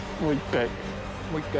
もう１回。